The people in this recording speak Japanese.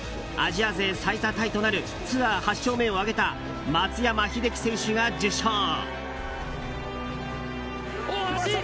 アジア勢最多タイとなるツアー８勝目を挙げた松山英樹選手が受賞。